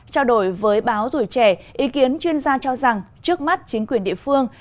trao đổi với báo tuổi trẻ ý kiến chuyên gia cho rằng trước mắt chính quyền địa phương